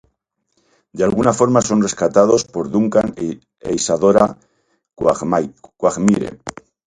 De alguna forma son rescatados por Duncan e Isadora Quagmire.